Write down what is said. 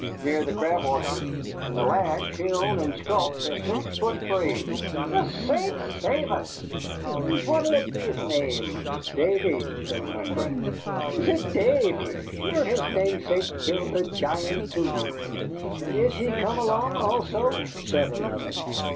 "Near the Crab Orchard, and the lad killed and sculped a six foot brave." "The saints save us! And what 'll be his name?" "Davy," said my friend. "Is it Davy? Sure his namesake killed a giant, too." "And is he come along, also?" said another.